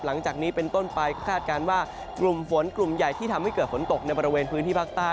หลังจากนี้เป็นต้นไปก็คาดการณ์ว่ากลุ่มฝนกลุ่มใหญ่ที่ทำให้เกิดฝนตกในบริเวณพื้นที่ภาคใต้